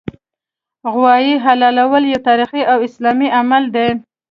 غوايي حلالول یو تاریخي او اسلامي عمل دی